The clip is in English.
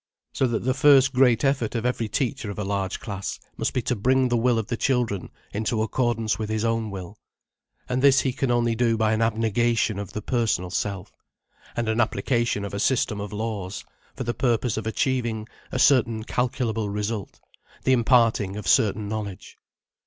So that the first great effort of every teacher of a large class must be to bring the will of the children into accordance with his own will. And this he can only do by an abnegation of his personal self, and an application of a system of laws, for the purpose of achieving a certain calculable result, the imparting of certain knowledge.